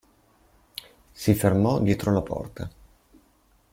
Si fermò dietro la porta.